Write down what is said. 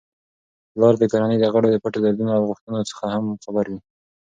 پلار د کورنی د غړو د پټو دردونو او غوښتنو څخه هم خبر وي.